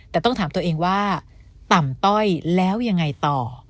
แต่ต้องถามตัวเองว่าต่ำต้อยแล้วยังไงต่อ